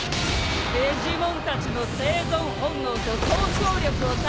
デジモンたちの生存本能と闘争力を高めんだよ。